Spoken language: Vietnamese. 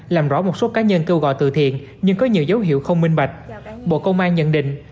làm rõ một số cá nhân kêu gọi từ thiện nhưng có nhiều dấu hiệu không minh bạch bộ công an nhận định